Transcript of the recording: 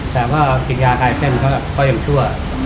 แต่ว่ากิจยาไอเซ่นก็ยังชั่ว